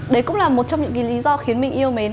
đấy cũng là một trong những lý do khiến mình yêu mến